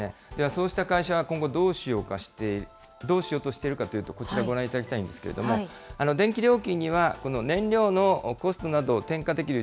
そうした会社は今後、どうしようとしているかというと、こちら、ご覧いただきたいんですけれども、電気料金には、この燃料のコストなどを転嫁できる